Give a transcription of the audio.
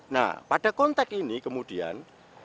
nah pada konteks ini kemudian